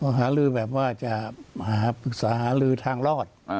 หาลือแบบว่าจะปรึกษาหาลือทางรอด